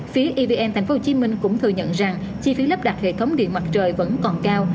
phía evn tp hcm cũng thừa nhận rằng chi phí lắp đặt hệ thống điện mặt trời vẫn còn cao